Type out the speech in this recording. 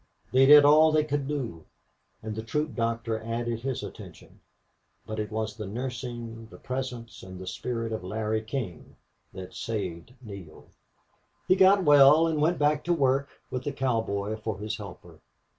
They did all they could do, and the troop doctor added his attention; but it was the nursing, the presence, and the spirit of Larry King that saved Neale. He got well and went back to work with the cowboy for his helper.